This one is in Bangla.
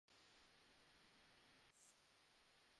কারো নাড়িভুড়ি বের করেছে যেহেতু।